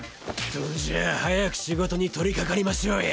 そんじゃあ早く仕事に取り掛かりましょうや。